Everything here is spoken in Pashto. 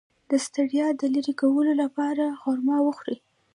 د ستړیا د لرې کولو لپاره خرما وخورئ